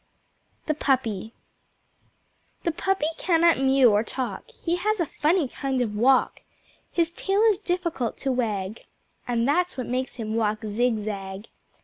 The Puppy The Puppy cannot mew or talk, He has a funny kind of walk, His tail is difficult to wag And that's what makes him walk zigzag.